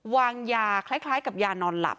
วางยาคล้ายกับยานอนหลับ